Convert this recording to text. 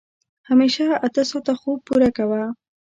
همېشه اته ساعته خوب پوره کوه.